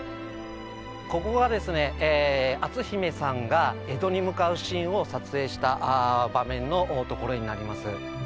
ここがですね篤姫さんが江戸に向かうシーンを撮影した場面のところになります。